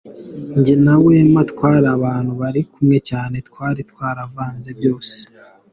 Njye na Wema twari abantu bari kumwe cyane, twari twaravanze byose.